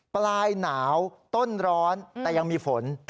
ปลายหนาวต้นร้อนแต่ยังมีฝน